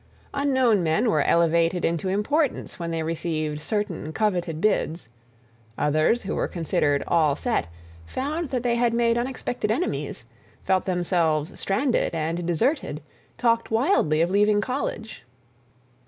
Unknown men were elevated into importance when they received certain coveted bids; others who were considered "all set" found that they had made unexpected enemies, felt themselves stranded and deserted, talked wildly of leaving college.